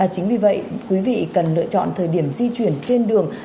chính vì vậy quý vị cần lựa chọn thời điểm di chuyển trên đường